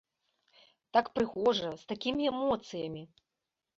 Так прыгожа, з такімі эмоцыямі!